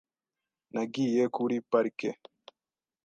Nagiye kuri parike .